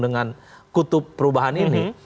dengan kutub perubahan ini